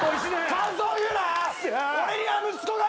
感想を言うな！